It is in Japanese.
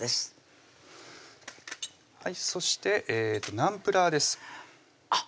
そしてナンプラーですあっ